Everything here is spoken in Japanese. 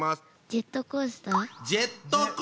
ジェットコースター！